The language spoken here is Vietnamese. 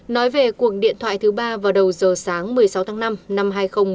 nói về cuộc điện thoại thứ ba vào đầu giờ sáng một mươi sáu tháng năm năm hai nghìn một mươi chín